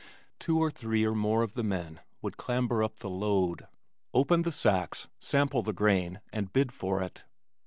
Two or three or more of the men would clamber upon the load, open the sacks, sample the grain and bid for it.